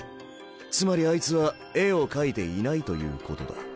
つまりあいつは絵を描いていないということだ。